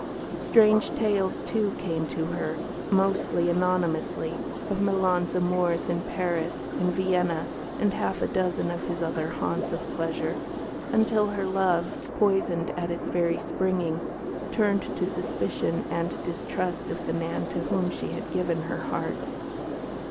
Strange tales, too, came to her (mostly anonymously) of Milan's amours in Paris, in Vienna, and half a dozen of his other haunts of pleasure, until her love, poisoned at its very springing, turned to suspicion and distrust of the man to whom she had given her heart.